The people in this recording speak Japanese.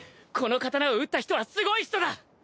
この刀を打った人はすごい人だ！